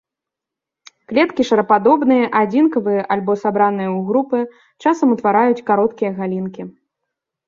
Клеткі шарападобныя, адзінкавыя альбо сабраныя ў групы, часам ўтвараюць кароткія галінкі.